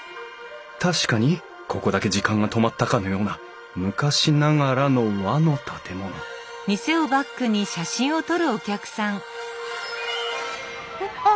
確かにここだけ時間が止まったかのような昔ながらの和の建物えっ